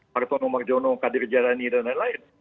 hartono marjono kadir jarani dan lain lain